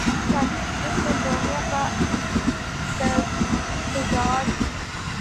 مثالی صورت تو دونوں کا امتزاج ہے۔